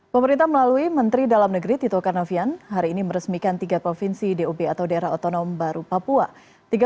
pemerintah melalui menteri dalam negeri tito karnavian hari ini meresmikan tiga provinsi dob atau daerah otonom baru papua